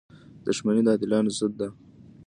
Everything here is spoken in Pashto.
• دښمني د عادلانو ضد ده.